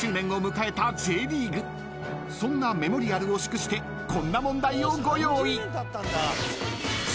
［そんなメモリアルを祝してこんな問題をご用意］